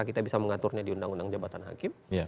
kita bisa mengaturnya di undang undang jabatan hakim